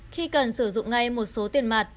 khi cần sử dụng ngay một số tiền mặt